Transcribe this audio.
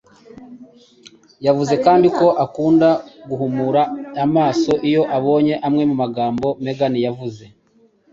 Yavuze kandi ko akunda "guhumura amaso" iyo abonye amwe mu magambo Megan avuga.